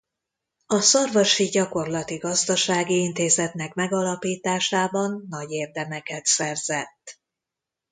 A szarvasi gyakorlati gazdasági intézetnek megalapításában nagy érdemeket szerzett.